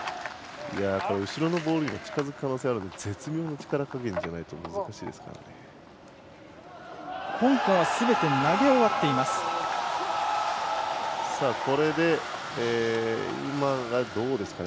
後ろのボールに近づく可能性があるので絶妙な力加減じゃないと難しいですね。